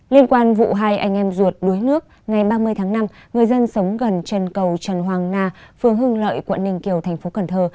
liên quan vụ hai anh em ruột đuối nước ngày ba mươi tháng năm người dân sống gần chân cầu trần hoàng na phường hưng lợi quận ninh kiều thành phố cần thơ